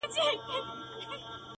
کلونه کیږي بې ځوابه یې بې سواله یې.